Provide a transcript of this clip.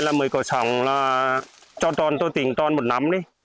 là mới có sẵn là cho toàn tôi tính toàn một năm đi